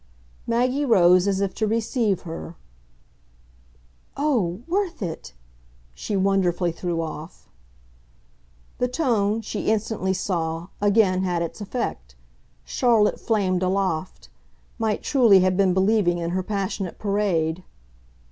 Maggie rose as if to receive her. "Oh worth it!" she wonderfully threw off. The tone, she instantly saw, again had its effect: Charlotte flamed aloft might truly have been believing in her passionate parade.